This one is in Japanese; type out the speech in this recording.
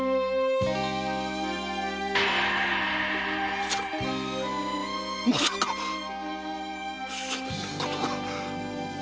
まさかまさかそんなことが！